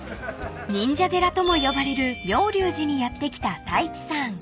［忍者寺とも呼ばれる妙立寺にやって来た太一さん］